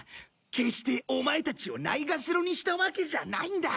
決してオマエたちをないがしろにしたわけじゃないんだ。